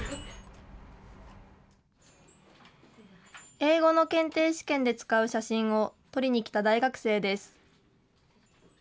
英語の検定試験で使う写真を撮りに来た大学生です。